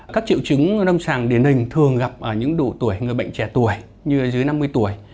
các triệu chứng lâm sàng điển hình thường gặp ở những độ tuổi người bệnh trẻ tuổi như dưới năm mươi tuổi